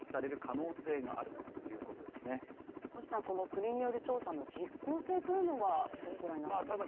国による調査の実効性はどう御覧になっていますか？